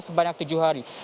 sebanyak tujuh hari